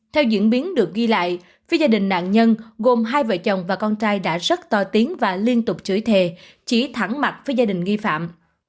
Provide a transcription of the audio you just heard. theo diễn biến được ghi lại phía gia đình nạn nhân gồm hai vợ chồng và con trai đã rất to tiếng và liên tục chửi thề chỉ thẳng mặt với gia đình nghi phạm